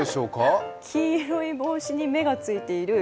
黄色い帽子にメがついている。